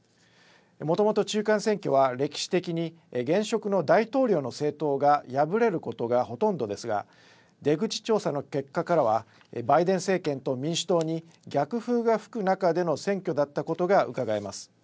もともと中間選挙は歴史的に現職の大統領の政党がやぶれることがほとんどですが出口調査の結果からはバイデン政権と民主党に逆風が吹く中での選挙だったことがうかがえます。